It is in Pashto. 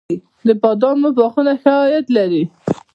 د بادامو باغونه ښه عاید لري؟